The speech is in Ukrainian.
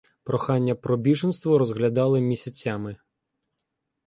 Прохання про біженство розглядали місяцями